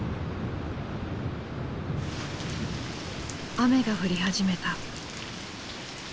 雨が降り始めた。